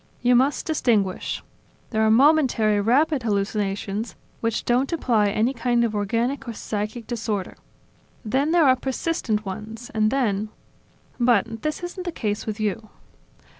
You must distinguish. There are momentary, rapid hallucinations, which don't imply any kind of organic or psychic disorder. Then there are persistent ones, and then ... But, this isn't the case with you."